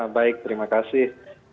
baik terima kasih